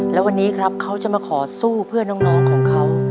และวันนี้ครับเขาจะมาขอสู้เพื่อน้องของเขา